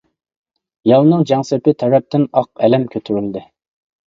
ياۋنىڭ جەڭ سېپى تەرەپتىن ئاق ئەلەم كۆتۈرۈلدى.